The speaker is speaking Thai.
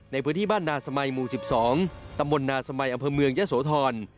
ในพื้นที่บ้านนาสมัยหมู่๑๒ตำบลนาสมัยอำเภอเมืองยะโสธร